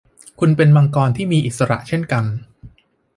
คุณเป็นมังกรที่มีอิสระเช่นกัน